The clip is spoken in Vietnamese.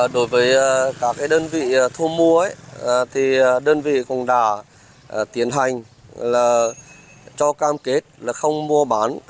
đối với các đơn vị thu mua đơn vị cũng đã tiến hành cho cam kết không mua bán